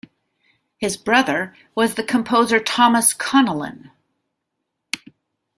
His brother was the composer Thomas Connellan.